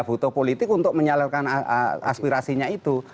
butuh politik untuk menyalurkan aspirasinya itu